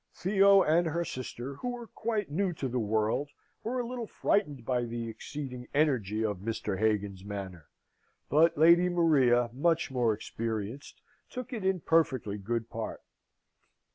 Theo and her sister, who were quite new to the world, were a little frightened by the exceeding energy of Mr. Hagan's manner but Lady Maria, much more experienced, took it in perfectly good part.